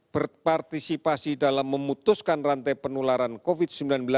berpartisipasi dalam memutuskan rantai penularan covid sembilan belas